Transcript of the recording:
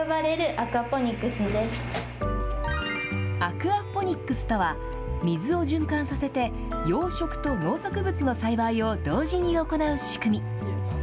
アクアポニックスとは、水を循環させて、養殖と農作物の栽培を同時に行う仕組み。